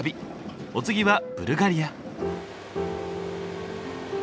お次はブルガリア。